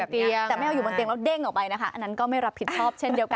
แต่ไม่เอาอยู่บนเตียงแล้วเด้งออกไปนะคะอันนั้นก็ไม่รับผิดชอบเช่นเดียวกัน